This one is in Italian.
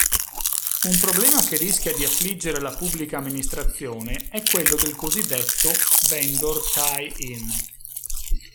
Un problema che rischia di affliggere la Pubblica Amministrazione è quello del cosiddetto "vendor tie-in".